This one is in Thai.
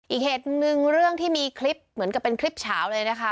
อีกเหตุหนึ่งเรื่องที่มีคลิปเหมือนกับเป็นคลิปเฉาเลยนะคะ